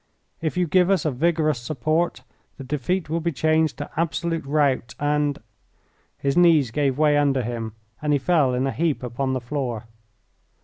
If you give us a vigorous support the defeat will be changed to absolute rout and " His knees gave way under him and he fell in a heap upon the floor.